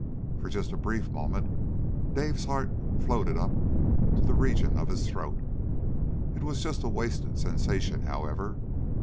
For just a brief moment Dave's heart floated up to the region of his throat. It was just a wasted sensation, however.